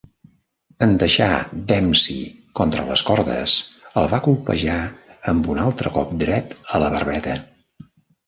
En deixar Dempsey contra les cordes, el va colpejar amb un altre cop dret a la barbeta.